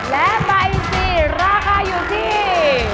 และปลาอินซีราคาอยู่ที่